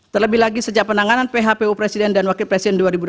terlebih lagi sejak penanganan phpu presiden dan wakil presiden dua ribu delapan belas